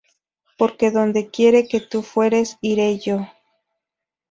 porque donde quiera que tú fueres, iré yo;